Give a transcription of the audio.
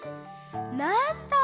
なんだ！